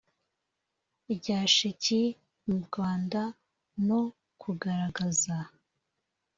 rya sheki mu Rwanda no kugaragaza